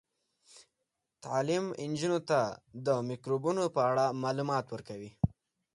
تعلیم نجونو ته د میکروبونو په اړه معلومات ورکوي.